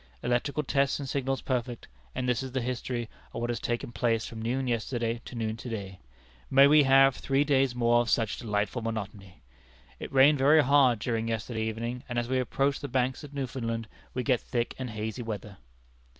Electrical tests and signals perfect, and this is the history of what has taken place from noon yesterday to noon to day. May we have three days more of such delightful monotony! It rained very hard during yesterday evening, and as we approach the Banks of Newfoundland we get thick and hazy weather."